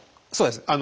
そうです。